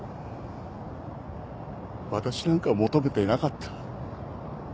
私なんか求めてなかった。